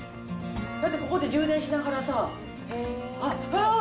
だってここで充電しながらさあ、あっ、あー！